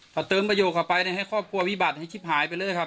ถ้าเติมประโยคไปก็ให้ครอบครัววิบัติย์ขิบหายไปเลยครับ